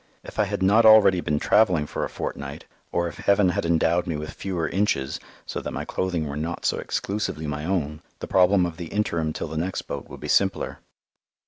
If I had not already been travelling for a fortnight, or if Heaven had endowed me with fewer inches so that my clothing were not so exclusively my own, the problem of the interim till the next boat would be simpler.